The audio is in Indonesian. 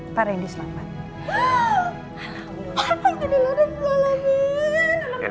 mbak rendy selamat